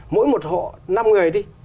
mỗi một hộ năm người đi